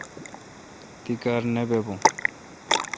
تی کار نہ بہ بو۔